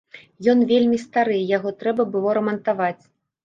Ён вельмі стары, яго трэба было рамантаваць.